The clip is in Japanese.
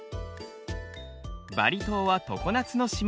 バリ島は常夏の島。